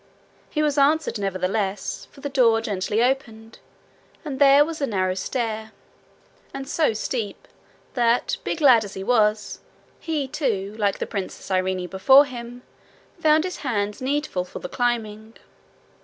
He was answered nevertheless; for the door gently opened, and there was a narrow stair and so steep that, big lad as he was, he, too, like the Princess Irene before him, found his hands needful for the climbing.